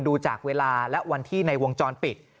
ดูจากเวลาและวันที่ในวงจรปิด